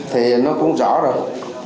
thì nó cũng rõ rồi